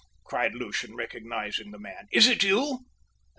cried Lucian, recognising the man. "Is it you?"